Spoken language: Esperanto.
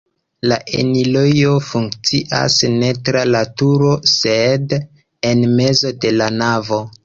La enirejo funkcias ne tra la turo, sed en mezo de la navo.